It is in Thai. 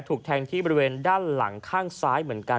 ถูกแทงที่บริเวณด้านหลังข้างซ้ายเหมือนกัน